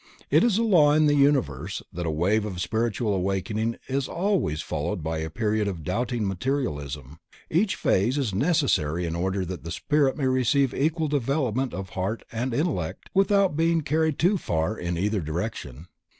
It is a law in the universe that a wave of spiritual awakening is always followed by a period of doubting materialism, each phase is necessary in order that the spirit may receive equal development of heart and intellect without being carried too far in either direction.